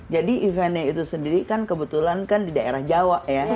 jadi eventnya itu sendiri kan kebetulan kan di daerah jawa ya